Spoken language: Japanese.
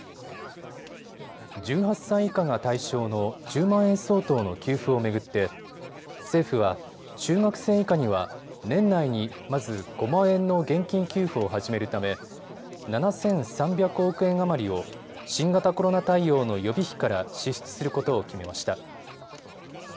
１８歳以下が対象の１０万円相当の給付を巡って政府は中学生以下には年内にまず５万円の現金給付を始めるため７３００億円余りを新型コロナ対応の予備費から支出することを決めました。